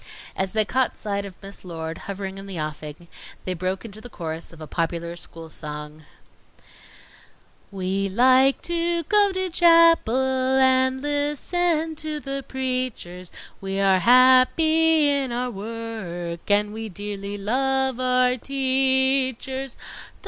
As they caught sight of Miss Lord hovering in the offing, they broke into the chorus of a popular school song: "We like to go to chapel And listen to the preachers, We are happy in our work, And we dearly love our teachers.